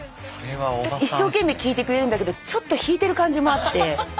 一生懸命聞いてくれるんだけどちょっと引いてる感じもあって。